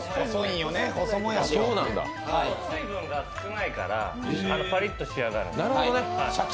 水分が少ないからパリッと仕上がる。